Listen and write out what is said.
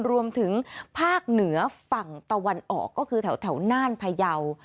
รวมถึงภาคเหนือฝั่งตะวันออกก็คือแถวน่านพยาว